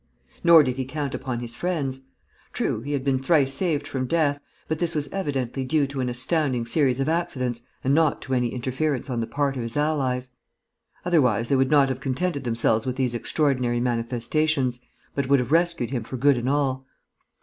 Nor did he count upon his friends. True, he had been thrice saved from death; but this was evidently due to an astounding series of accidents and not to any interference on the part of his allies. Otherwise they would not have contented themselves with these extraordinary manifestations, but would have rescued him for good and all.